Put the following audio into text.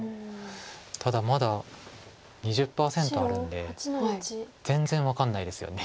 ただまだ２０％あるんで全然分かんないですよね。